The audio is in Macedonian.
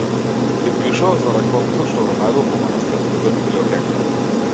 Ти пишував за ракописот што го најдов во манастирската библиотека.